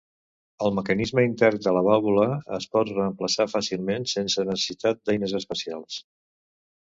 El mecanisme intern de la vàlvula es pot reemplaçar fàcilment, sense necessitat d'eines especials.